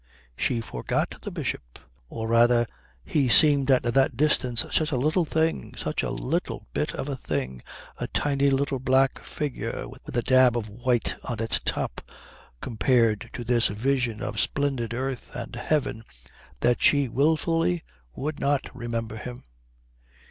She forgot the Bishop or rather he seemed at that distance such a little thing, such a little bit of a thing, a tiny little black figure with a dab of white on its top, compared to this vision of splendid earth and heaven, that she wilfully would not remember him.